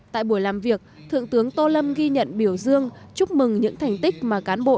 tại buổi làm việc thượng tướng tô lâm ghi nhận biểu dương chúc mừng những thành tích mà cán bộ